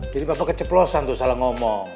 jadi papa keceplosan tuh salah ngomong